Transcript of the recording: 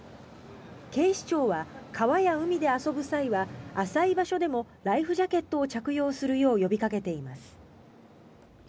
警視庁は川や海で遊ぶ際は浅い場所でもライフジャケットを着用するよう呼びかけています。